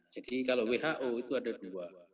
jadi kalau who itu ada dua